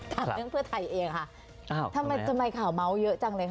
ถามเรื่องเผื่อไทยเองค่ะทำไมข่าวเยอะจังเลยคะ